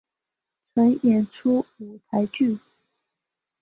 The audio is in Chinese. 曾演出舞台剧。